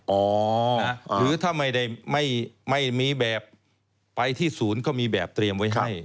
หรือถ้าไม่ได้ไม่มีแบบไปที่ศูนย์ก็มีแบบเตรียมไว้ให้